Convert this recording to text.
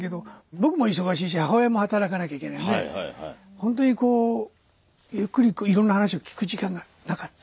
僕も忙しいし母親も働かなきゃいけないのでほんとにこうゆっくりいろんな話を聞く時間がなかった。